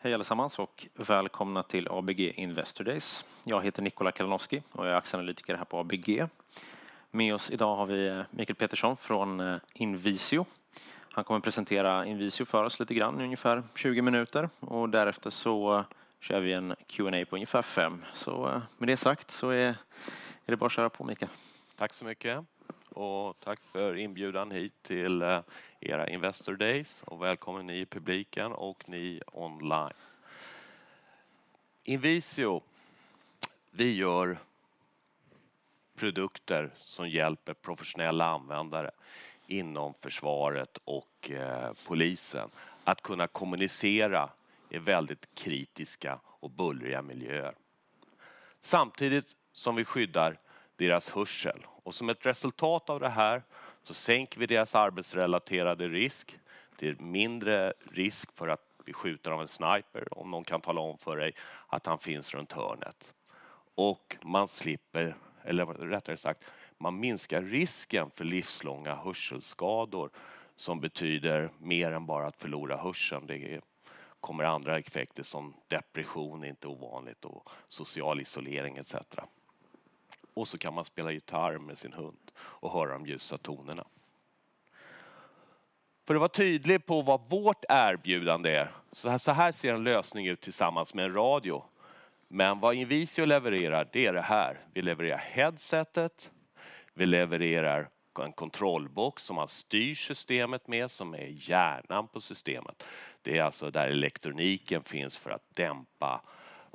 Hej allesammans och välkomna till ABG Investor Days. Jag heter Nikola Kalinowski och jag är aktieanalytiker här på ABG. Med oss idag har vi Mikael Petersson från Invisio. Han kommer att presentera Invisio för oss lite grann i ungefär tjugo minuter och därefter så kör vi en Q&A på ungefär fem. Så med det sagt så är det bara att köra på Mikael. Tack så mycket och tack för inbjudan hit till era Investor Days och välkommen ni i publiken och ni online. Invisio, vi gör produkter som hjälper professionella användare inom försvaret och polisen att kunna kommunicera i väldigt kritiska och bullriga miljöer, samtidigt som vi skyddar deras hörsel. Som ett resultat av det här så sänker vi deras arbetsrelaterade risk till mindre risk för att bli skjuten av en sniper, om någon kan tala om för dig att han finns runt hörnet. Man slipper, eller rättare sagt, man minskar risken för livslånga hörselskador som betyder mer än bara att förlora hörseln. Det kommer andra effekter som depression är inte ovanligt och social isolering et cetera. Så kan man spela gitarr med sin hund och höra de ljusa tonerna. För att vara tydlig på vad vårt erbjudande är, så här ser en lösning ut tillsammans med en radio. Men vad Invisio levererar, det är det här. Vi levererar headsetet, vi levererar en kontrollbox som man styr systemet med, som är hjärnan på systemet. Det är alltså där elektroniken finns för att dämpa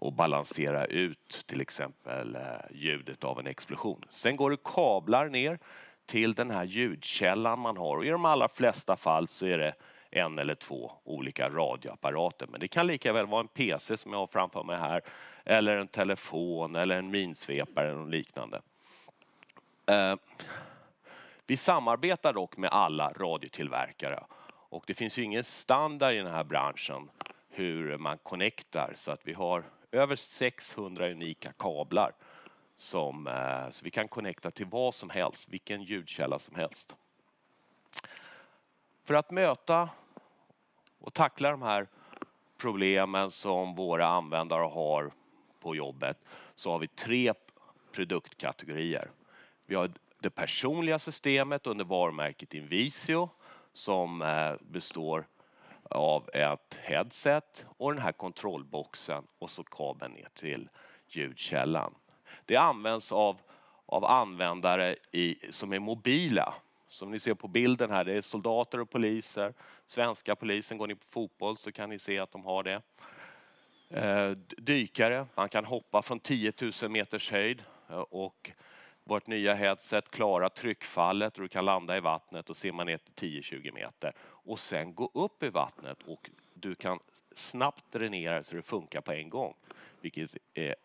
och balansera ut till exempel ljudet av en explosion. Sen går det kablar ner till den här ljudkällan man har. I de allra flesta fall så är det en eller två olika radioapparater, men det kan lika väl vara en PC som jag har framför mig här, eller en telefon, eller en minsvepare eller liknande. Vi samarbetar dock med alla radiotillverkare och det finns ingen standard i den här branschen hur man connectar så att vi har över 600 unika kablar som, så vi kan connecta till vad som helst, vilken ljudkälla som helst. För att möta och tackla de här problemen som våra användare har på jobbet så har vi tre produktkategorier. Vi har det personliga systemet under varumärket Invisio, som består av ett headset och den här kontrollboxen och så kabel ner till ljudkällan. Det används av användare som är mobila. Som ni ser på bilden här, det är soldater och poliser, svenska polisen. Går ni på fotboll så kan ni se att de har det. Dykare, man kan hoppa från 10 000 meters höjd och vårt nya headset klarar tryckfallet och du kan landa i vattnet och simma ner till 10, 20 meter och sen gå upp i vattnet och du kan snabbt dränera så det funkar på en gång, vilket är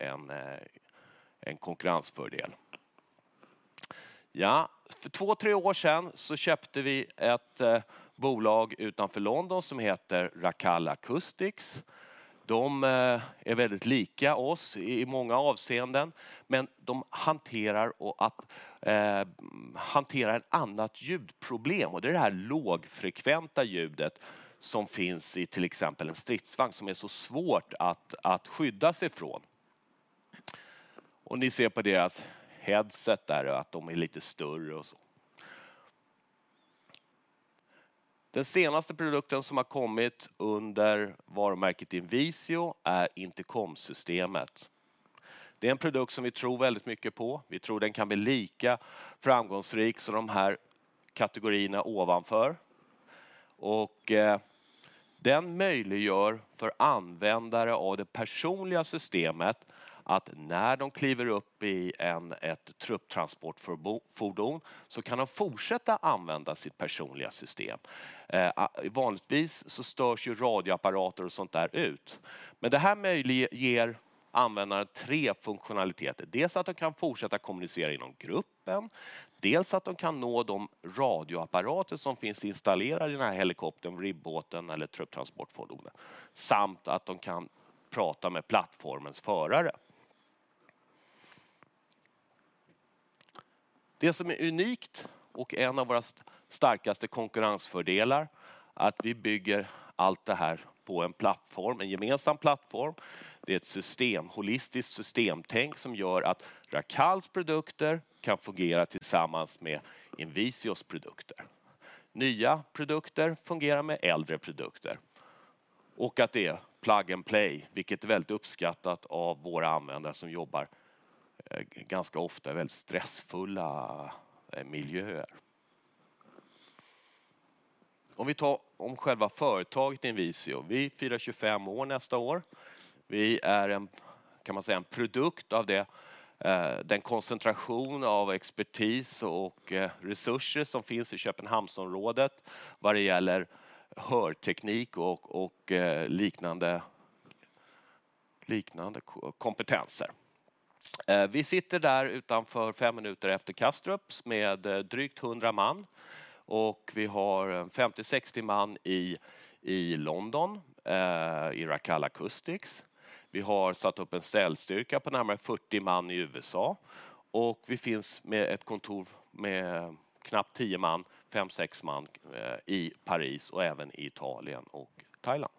en konkurrensfördel. För två, tre år sedan så köpte vi ett bolag utanför London som heter Racal Acoustics. De är väldigt lika oss i många avseenden, men de hanterar ett annat ljudproblem och det är det här lågfrekventa ljudet som finns i till exempel en stridsvagn som är så svårt att skydda sig från. Ni ser på deras headset där att de är lite större och så. Den senaste produkten som har kommit under varumärket Invisio är intercomsystemet. Det är en produkt som vi tror väldigt mycket på. Vi tror den kan bli lika framgångsrik som de här kategorierna ovanför. Den möjliggör för användare av det personliga systemet att när de kliver upp i ett trupptransportfordon, så kan de fortsätta använda sitt personliga system. Vanligtvis så störs ju radioapparater och sådant där ut, men det här ger användare tre funktionaliteter. Dels att de kan fortsätta kommunicera inom gruppen, dels att de kan nå de radioapparater som finns installerade i den här helikoptern, ribbåten eller trupptransportfordonet, samt att de kan prata med plattformens förare. Det som är unikt och en av våra starkaste konkurrensfördelar, att vi bygger allt det här på en plattform, en gemensam plattform. Det är ett system, holistiskt systemtänk som gör att Racals produkter kan fungera tillsammans med Invisios produkter. Nya produkter fungerar med äldre produkter och att det är plug and play, vilket är väldigt uppskattat av våra användare som jobbar ganska ofta i väldigt stressfulla miljöer. Om vi tar om själva företaget Invisio, vi firar tjugofem år nästa år. Vi är en, kan man säga, en produkt av det, den koncentration av expertis och resurser som finns i Köpenhamnsområdet vad det gäller hörteknik och liknande kompetenser. Vi sitter där utanför fem minuter efter Kastrups med drygt hundra man och vi har femtio, sextio man i London, i Racal Acoustics. Vi har satt upp en säljstyrka på närmare fyrtio man i USA och vi finns med ett kontor med knappt tio man, fem, sex man i Paris och även i Italien och Thailand.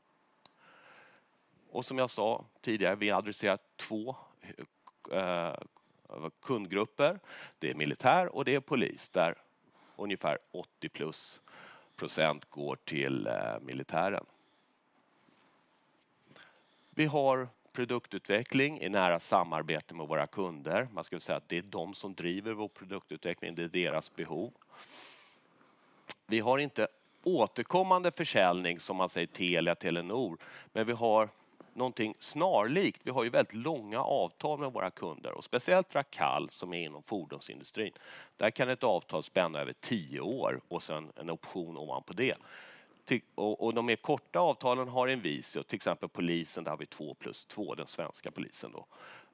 Och som jag sa tidigare, vi adresserar två kundgrupper. Det är militär och det är polis, där ungefär 80+ % går till militären. Vi har produktutveckling i nära samarbete med våra kunder. Man skulle säga att det är de som driver vår produktutveckling, det är deras behov. Vi har inte återkommande försäljning som man säger, Telia, Telenor, men vi har någonting snarlikt. Vi har ju väldigt långa avtal med våra kunder och speciellt Racal, som är inom fordonsindustrin. Där kan ett avtal spänna över tio år och sedan en option ovanpå det. Och de mer korta avtalen har Invisio, till exempel polisen, där har vi två plus två, den svenska polisen då.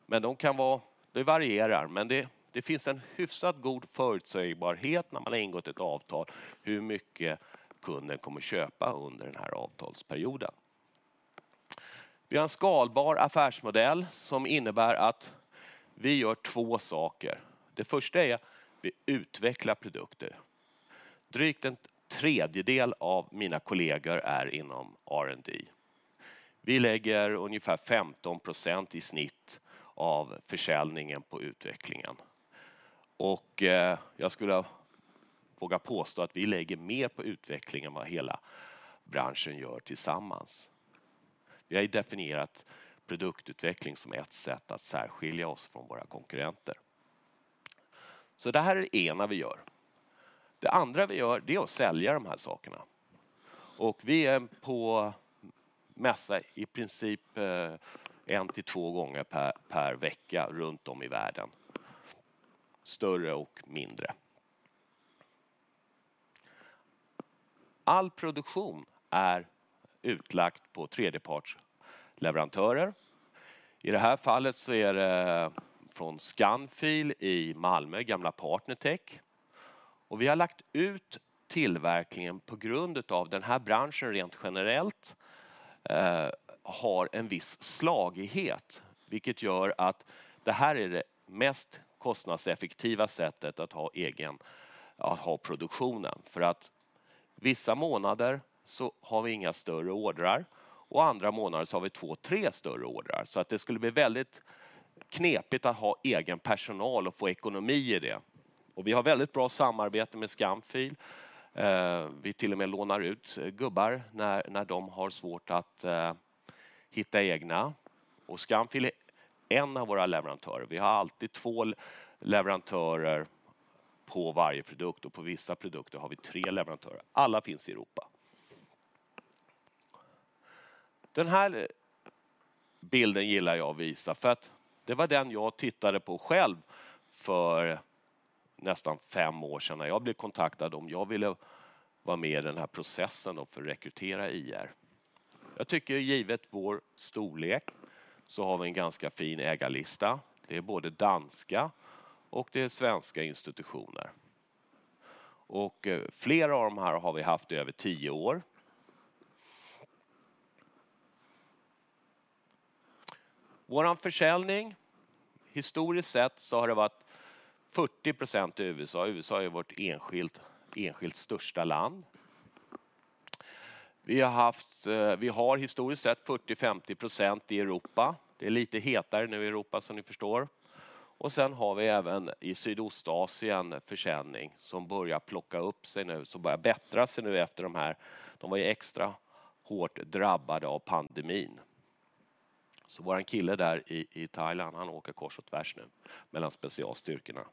Men de kan vara, det varierar, men det finns en hyfsat god förutsägbarhet när man har ingått ett avtal, hur mycket kunden kommer att köpa under den här avtalsperioden. Vi har en skalbar affärsmodell som innebär att vi gör två saker. Det första är: vi utvecklar produkter. Drygt en tredjedel av mina kollegor är inom R&D. Vi lägger ungefär 15% i snitt av försäljningen på utvecklingen och jag skulle våga påstå att vi lägger mer på utveckling än vad hela branschen gör tillsammans. Vi har ju definierat produktutveckling som ett sätt att särskilja oss från våra konkurrenter. Så det här är det ena vi gör. Det andra vi gör, det är att sälja de här sakerna. Och vi är på mässa i princip en till två gånger per vecka runt om i världen. Större och mindre. All produktion är utlagt på tredjepartsleverantörer. I det här fallet så är det från Scanfil i Malmö, gamla Partner Tech. Och vi har lagt ut tillverkningen på grund av den här branschen rent generellt har en viss slagighet, vilket gör att det här är det mest kostnadseffektiva sättet att ha produktionen. För att vissa månader så har vi inga större ordrar och andra månader så har vi två, tre större ordrar. Så att det skulle bli väldigt knepigt att ha egen personal och få ekonomi i det. Och vi har väldigt bra samarbete med Scanfil. Vi till och med lånar ut gubbar när de har svårt att hitta egna. Och Scanfil är en av våra leverantörer. Vi har alltid två leverantörer på varje produkt och på vissa produkter har vi tre leverantörer. Alla finns i Europa. Den här bilden gillar jag att visa för att det var den jag tittade på själv för nästan fem år sedan, när jag blev kontaktad om jag ville vara med i den här processen för att rekrytera IR. Jag tycker, givet vår storlek, så har vi en ganska fin ägarlista. Det är både danska och det är svenska institutioner. Flera av de här har vi haft i över tio år. Vår försäljning, historiskt sett, så har det varit 40% i USA. USA är vårt enskilt största land. Vi har historiskt sett 40-50% i Europa. Det är lite hetare nu i Europa, som ni förstår. Och sen har vi även i Sydostasien försäljning som börjar plocka upp sig nu, som börjar bättra sig nu efter de här. De var ju extra hårt drabbade av pandemin. Så vår kille där i Thailand, han åker kors och tvärs nu mellan specialstyrkorna.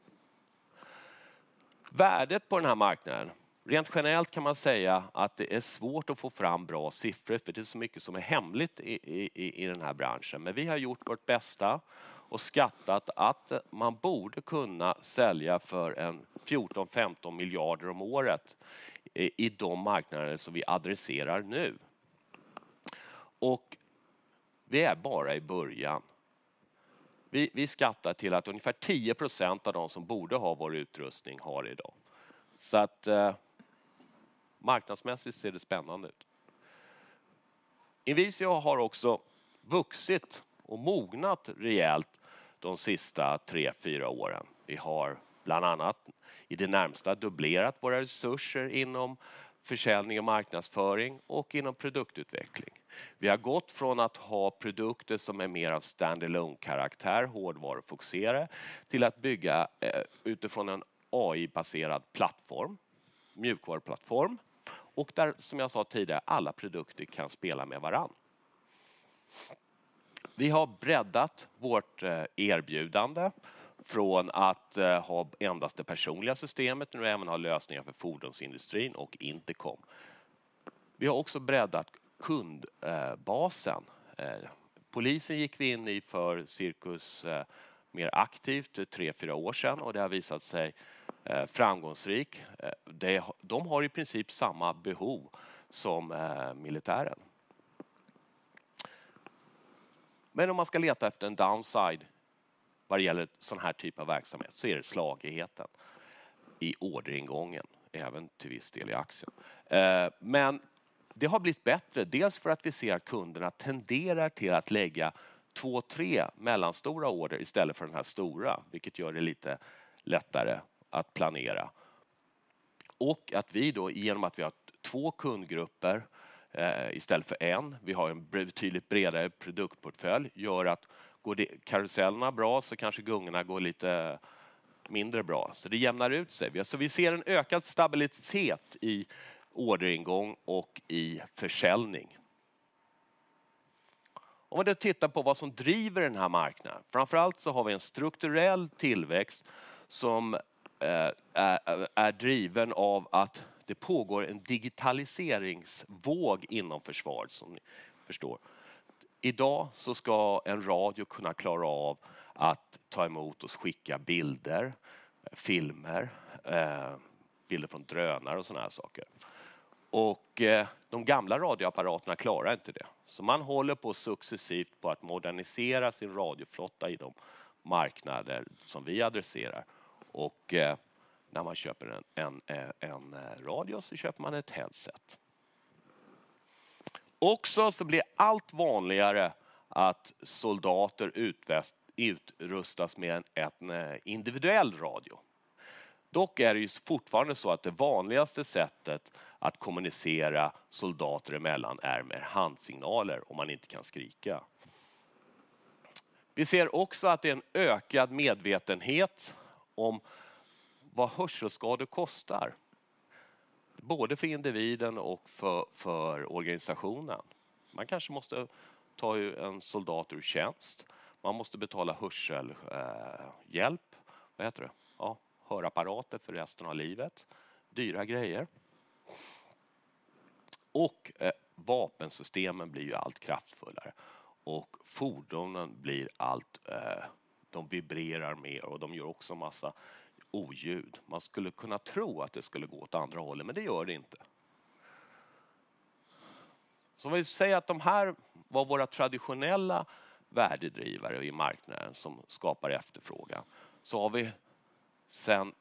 Värdet på den här marknaden. Rent generellt kan man säga att det är svårt att få fram bra siffror, för det är så mycket som är hemligt i den här branschen. Men vi har gjort vårt bästa och skattat att man borde kunna sälja för fjorton, femton miljarder om året i de marknader som vi adresserar nu. Och det är bara i början. Vi skattar till att ungefär 10% av de som borde ha vår utrustning har det i dag. Så att marknadsmässigt ser det spännande ut. Invisio har också vuxit och mognat rejält de sista tre, fyra åren. Vi har bland annat i det närmaste dubblerat våra resurser inom försäljning och marknadsföring och inom produktutveckling. Vi har gått från att ha produkter som är mer av stand alone-karaktär, hårdvarufokuserade, till att bygga utifrån en AI-baserad plattform, mjukvaruplattform. Och där, som jag sa tidigare, alla produkter kan spela med varandra. Vi har breddat vårt erbjudande från att ha endast det personliga systemet, nu även har lösningar för fordonsindustrin och intercom. Vi har också breddat kundbasen. Polisen gick vi in i för cirka mer aktivt tre, fyra år sedan och det har visat sig framgångsrikt. De har i princip samma behov som militären. Men om man ska leta efter en downside? Vad det gäller sådan här typ av verksamhet så är det slagigheten i orderingången, även till viss del i aktien. Men det har blivit bättre, dels för att vi ser att kunderna tenderar till att lägga två, tre mellanstora order istället för den här stora, vilket gör det lite lättare att planera. Och att vi då, igenom att vi har två kundgrupper istället för en, vi har en betydligt bredare produktportfölj, gör att går karusellerna bra så kanske gungorna går lite mindre bra, så det jämnar ut sig. Så vi ser en ökad stabilitet i orderingång och i försäljning. Om vi då tittar på vad som driver den här marknaden. Framför allt så har vi en strukturell tillväxt som är driven av att det pågår en digitaliseringsvåg inom försvaret, som ni förstår. Idag så ska en radio kunna klara av att ta emot och skicka bilder, filmer, bilder från drönare och sådana här saker. Och de gamla radioapparaterna klarar inte det. Man håller på successivt att modernisera sin radioflotta i de marknader som vi adresserar. När man köper en radio så köper man ett headset också. Det blir allt vanligare att soldater utrustas med en individuell radio. Det är ju fortfarande så att det vanligaste sättet att kommunicera soldater emellan är med handsignaler om man inte kan skrika. Vi ser också att det är en ökad medvetenhet om vad hörselskador kostar, både för individen och för organisationen. Man kanske måste ta en soldat ur tjänst. Man måste betala hörapparater för resten av livet. Dyra grejer. Vapensystemen blir ju allt kraftfullare och fordonen blir allt, de vibrerar mer och de gör också en massa oljud. Man skulle kunna tro att det skulle gå åt andra hållet, men det gör det inte. Om vi säger att de här var våra traditionella värdedrivare i marknaden som skapar efterfrågan, så har vi sedan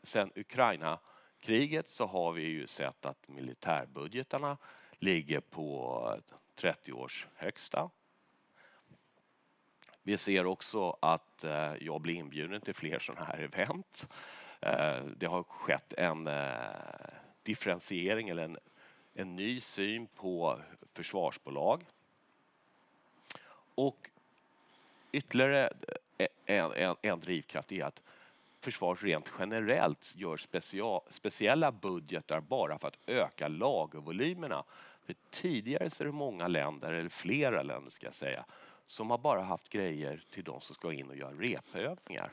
Ukrainakriget sett att militärbudgetarna ligger på 30 års högsta. Vi ser också att jag blir inbjuden till fler sådana här event. Det har skett en differentiering eller en ny syn på försvarsbolag. Ytterligare en drivkraft är att försvaret rent generellt gör speciella budgetar bara för att öka lagervolymerna. Tidigare är det många länder, eller flera länder ska jag säga, som bara har haft grejer till de som ska in och göra repövningar.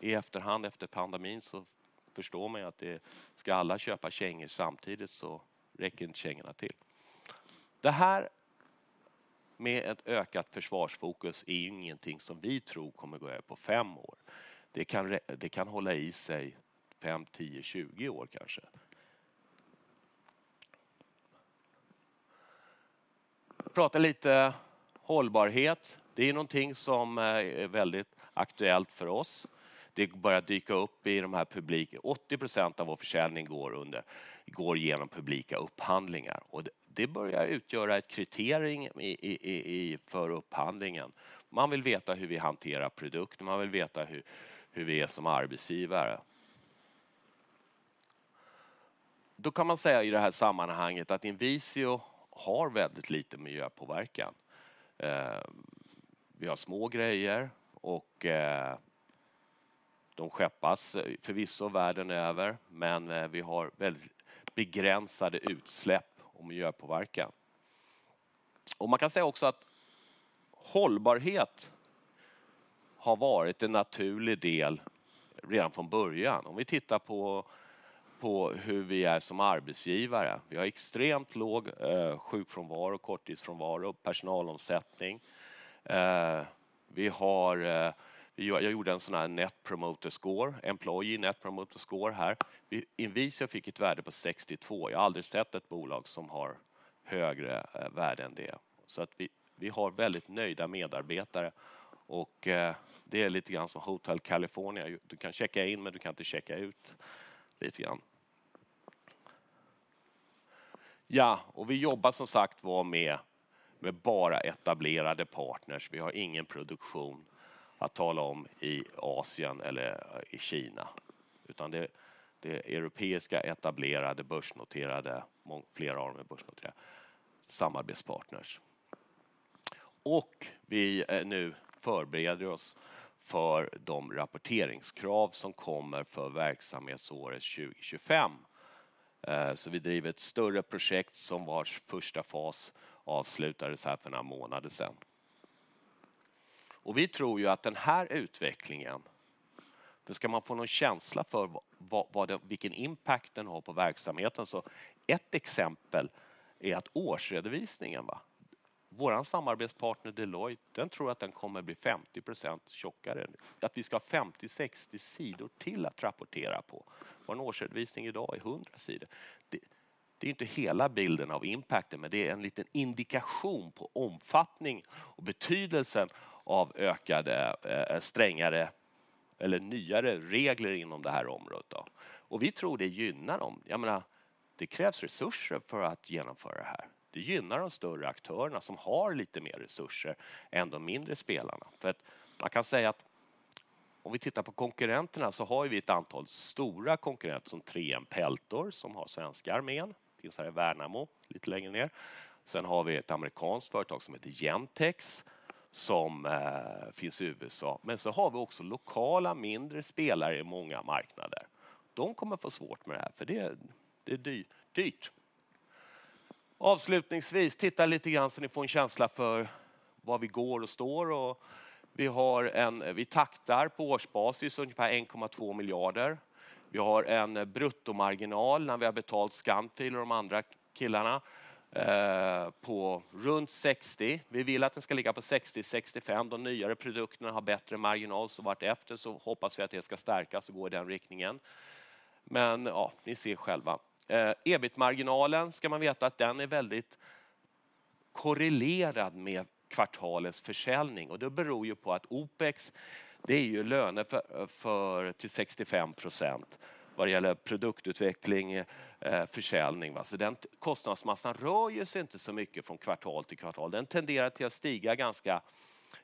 I efterhand, efter pandemin, förstår man att ska alla köpa kängor samtidigt så räcker inte kängorna till. Det här med ett ökat försvarsfokus är ingenting som vi tror kommer att gå över på fem år. Det kan hålla i sig fem, tio, tjugo år kanske. Prata lite hållbarhet. Det är någonting som är väldigt aktuellt för oss. Det börjar dyka upp i de här publika upphandlingarna. 80% av vår försäljning går igenom publika upphandlingar och det börjar utgöra ett kriterium för upphandlingen. Man vill veta hur vi hanterar produkter, man vill veta hur vi är som arbetsgivare. Då kan man säga i det här sammanhanget att Invisio har väldigt lite miljöpåverkan. Vi har små grejer och de skeppas förvisso världen över, men vi har väldigt begränsade utsläpp och miljöpåverkan. Man kan säga också att hållbarhet har varit en naturlig del redan från början. Om vi tittar på hur vi är som arbetsgivare, vi har extremt låg sjukfrånvaro, korttidsfrånvaro, personalomsättning. Vi har, jag gjorde en sådan här Net Promoter Score, Employee Net Promoter Score här. Invisio fick ett värde på sextiotvå. Jag har aldrig sett ett bolag som har högre värde än det. Vi har väldigt nöjda medarbetare och det är lite grann som Hotel California. Du kan checka in, men du kan inte checka ut, lite grann. Ja, och vi jobbar som sagt med bara etablerade partners. Vi har ingen produktion att tala om i Asien eller i Kina, utan det är europeiska, etablerade, börsnoterade, flera av dem är börsnoterade, samarbetspartners. Vi förbereder oss nu för de rapporteringskrav som kommer för verksamhetsåret 2025. Vi driver ett större projekt vars första fas avslutades här för några månader sedan. Vi tror ju att den här utvecklingen, det ska man få någon känsla för vad, vilken impact den har på verksamheten. Ett exempel är att årsredovisningen, vår samarbetspartner Deloitte, den tror att den kommer bli 50% tjockare, att vi ska ha 50, 60 sidor till att rapportera på. Vår årsredovisning idag är 100 sidor. Det är inte hela bilden av impacten, men det är en liten indikation på omfattning och betydelsen av ökade, strängare eller nyare regler inom det här området. Vi tror det gynnar dem. Jag menar, det krävs resurser för att genomföra det här. Det gynnar de större aktörerna som har lite mer resurser än de mindre spelarna. Man kan säga att om vi tittar på konkurrenterna så har vi ett antal stora konkurrenter som 3M Peltor, som har svenska armén, finns här i Värnamo, lite längre ner. Sen har vi ett amerikanskt företag som heter Gentex, som finns i USA. Men vi har också lokala mindre spelare i många marknader. De kommer att få svårt med det här, för det är dyrt. Avslutningsvis, titta lite grann så ni får en känsla för var vi går och står. Vi har en, vi taktar på årsbasis, ungefär 1,2 miljarder. Vi har en bruttomarginal när vi har betalt Scantel och de andra killarna på runt 60%. Vi vill att den ska ligga på 60%, 65%. De nyare produkterna har bättre marginal, så vartefter så hoppas vi att det ska stärkas och gå i den riktningen. Men ja, ni ser själva. EBIT-marginalen ska man veta att den är väldigt korrelerad med kvartalets försäljning och det beror ju på att Opex, det är ju löner för, till 65% vad det gäller produktutveckling, försäljning. Så den kostnadsmassan rör ju sig inte så mycket från kvartal till kvartal. Den tenderar till att stiga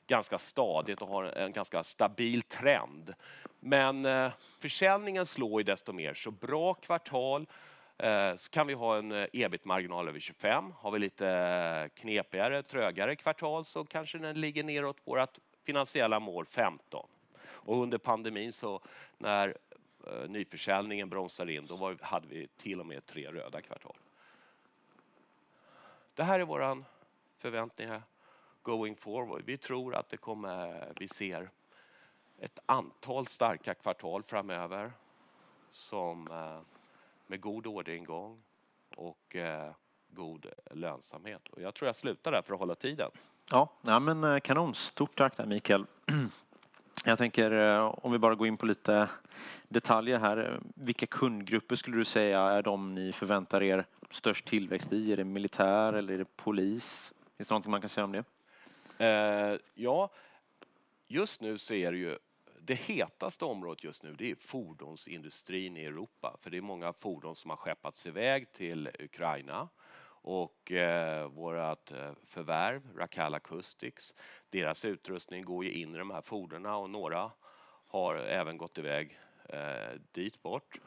ganska stadigt och har en ganska stabil trend. Men försäljningen slår ju desto mer. Så bra kvartal, så kan vi ha en EBIT-marginal över 25%. Har vi lite knepigare, trögare kvartal, så kanske den ligger nedåt vårt finansiella mål 15%. Under pandemin, så när nyförsäljningen bromsar in, då hade vi till och med tre röda kvartal. Det här är våra förväntningar, going forward. Vi tror att det kommer... vi ser ett antal starka kvartal framöver, med god orderingång och god lönsamhet. Jag tror jag slutar där för att hålla tiden. Ja, nej men kanon. Stort tack där, Mikael! Jag tänker om vi bara går in på lite detaljer här. Vilka kundgrupper skulle du säga är de ni förväntar er störst tillväxt i? Är det militär eller är det polis? Är det någonting man kan säga om det? Ja, just nu så är det ju det hetaste området just nu, det är fordonsindustrin i Europa. För det är många fordon som har skeppats i väg till Ukraina och vårt förvärv, Racal Acoustics, deras utrustning går ju in i de här fordonen och några har även gått i väg dit bort.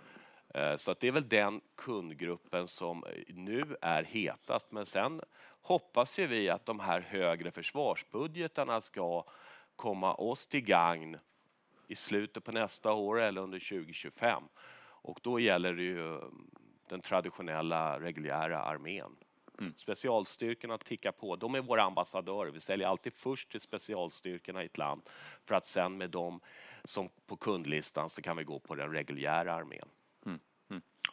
Så att det är väl den kundgruppen som nu är hetast. Men sen hoppas ju vi att de här högre försvarsbudgetarna ska komma oss till gagn i slutet på nästa år eller under 2025. Och då gäller det ju den traditionella reguljära armén. Specialstyrkorna tickar på, de är våra ambassadörer. Vi säljer alltid först till specialstyrkorna i ett land för att sedan med dem som på kundlistan, så kan vi gå på den reguljära armén. Mm.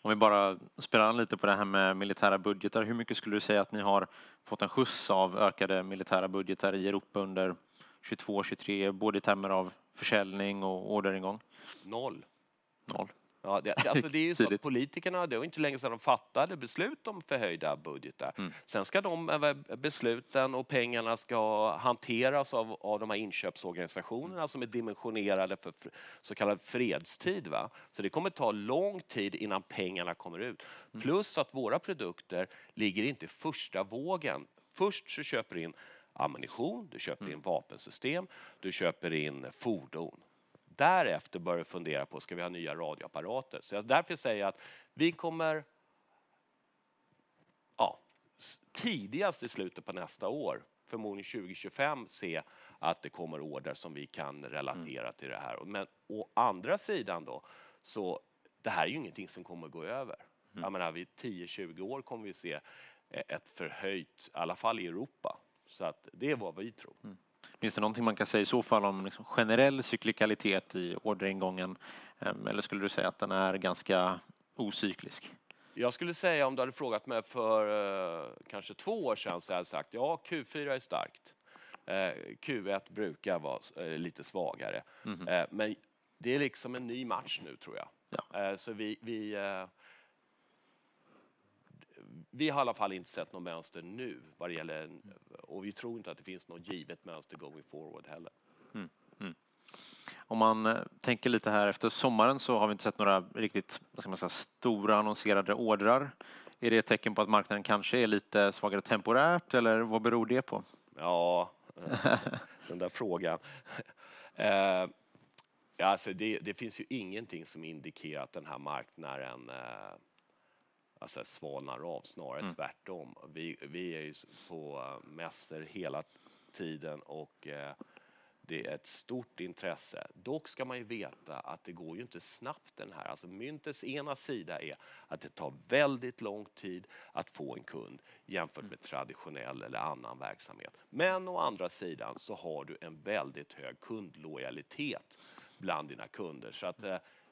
Om vi bara spärrar lite på det här med militära budgetar. Hur mycket skulle du säga att ni har fått en skjuts av ökade militära budgetar i Europa under 2022, 2023? Både i termer av försäljning och orderingång. Null. Null? Ja, det är ju så att politikerna, det är inte länge sedan de fattade beslut om förhöjda budgetar. Sen ska de besluten och pengarna ska hanteras av de här inköpsorganisationerna som är dimensionerade för så kallad fredstid. Så det kommer ta lång tid innan pengarna kommer ut. Plus att våra produkter ligger inte i första vågen. Först så köper du in ammunition, du köper in vapensystem, du köper in fordon. Därefter bör du fundera på: ska vi ha nya radioapparater? Så därför säger jag att vi kommer, ja, tidigast i slutet på nästa år, förmodligen 2025, se att det kommer order som vi kan relatera till det här. Men å andra sidan då, så det här är ingenting som kommer att gå över. Jag menar, vi tio, tjugo år kommer vi se ett förhöjt, i alla fall i Europa. Så att det är vad vi tror. Finns det någonting man kan säga i så fall om generell cyklikalitet i orderingången? Eller skulle du säga att den är ganska ocyklisk? Jag skulle säga, om du hade frågat mig för kanske två år sedan, så hade jag sagt: ja, Q4 är starkt. Q1 brukar vara lite svagare, men det är liksom en ny match nu tror jag. Ja. Så vi har i alla fall inte sett något mönster nu vad det gäller, och vi tror inte att det finns något givet mönster going forward heller. Om man tänker lite här efter sommaren så har vi inte sett några riktigt, vad ska man säga, stora annonserade ordrar. Är det ett tecken på att marknaden kanske är lite svagare temporärt, eller vad beror det på? Ja, den där frågan. Ja, alltså, det finns ju ingenting som indikerar att den här marknaden svalnar av, snarare tvärtom. Vi är ju på mässor hela tiden och det är ett stort intresse. Dock ska man ju veta att det går ju inte snabbt, den här. Myntets ena sida är att det tar väldigt lång tid att få en kund jämfört med traditionell eller annan verksamhet. Men å andra sidan så har du en väldigt hög kundlojalitet bland dina kunder. Så att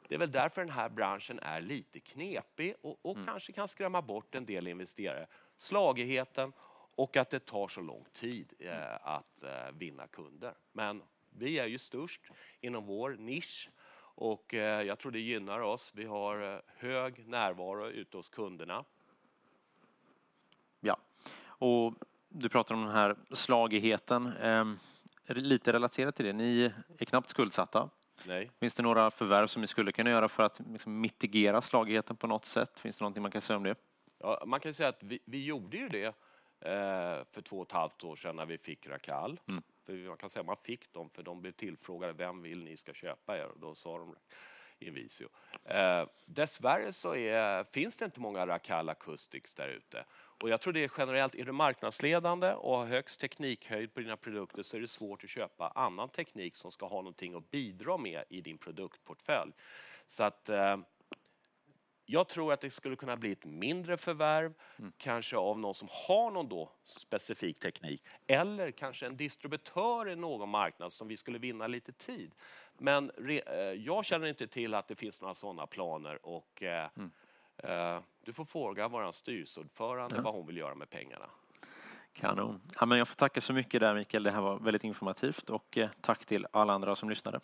det är väl därför den här branschen är lite knepig och kanske kan skrämma bort en del investerare. Slagigheten och att det tar så lång tid att vinna kunder. Men vi är ju störst inom vår nisch och jag tror det gynnar oss. Vi har hög närvaro ute hos kunderna. Ja, och du pratar om den här slagigheten. Lite relaterat till det, ni är knappt skuldsatta. No. Finns det några förvärv som ni skulle kunna göra för att mitigera slagigheten på något sätt? Finns det någonting man kan säga om det? Ja, man kan ju säga att vi gjorde ju det för två och ett halvt år sedan när vi fick Racal. För man kan säga, man fick dem för de blev tillfrågade: vem vill ni ska köpa er? Då sa de Invisio. Dessvärre så finns det inte många Racal Acoustics där ute. Och jag tror det generellt, är du marknadsledande och har högst teknikhöjd på dina produkter, så är det svårt att köpa annan teknik som ska ha någonting att bidra med i din produktportfölj. Så att jag tror att det skulle kunna bli ett mindre förvärv, kanske av någon som har någon då specifik teknik eller kanske en distributör i någon marknad som vi skulle vinna lite tid. Men jag känner inte till att det finns några sådana planer och du får fråga vår styrelseordförande vad hon vill göra med pengarna. Kanon! Jag får tacka så mycket där, Mikael. Det här var väldigt informativt och tack till alla andra som lyssnade.